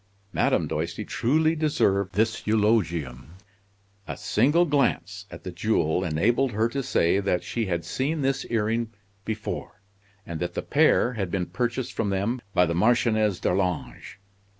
Madame Doisty truly deserved this eulogium. A single glance at the jewel enabled her to say that she had seen this earring before, and that the pair had been purchased from them by the Marchioness d'Arlange.